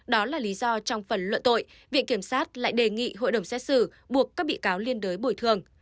đó là lý do trong phần luận tội viện kiểm sát lại đề nghị hội đồng xét xử buộc các bị cáo liên đới bồi thường